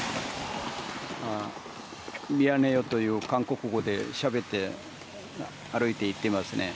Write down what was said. ミアネヨという韓国語でしゃべって歩いて行っていますね。